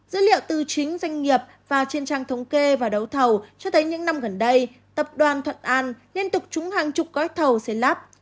dữ liệu từ chính doanh nghiệp và trên trang thống kê và đấu thầu cho thấy những năm gần đây tập đoàn thuận an liên tục trúng hàng chục gói thầu xây lắp